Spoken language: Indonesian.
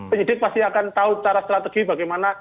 penyidik pasti akan tahu cara strategi bagaimana